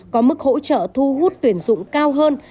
có mức hỗ trợ thu hút tuyển dụng cao hơn